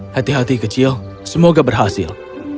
hati hati kecil semoga berhasil